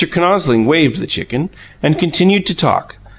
Kinosling waived the chicken, and continued to talk.